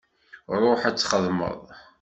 Ṛuḥ ad txedmeḍ.